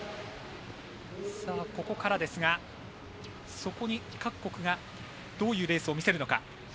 ここからですが、そこに各国がどういうレースを見せるのか。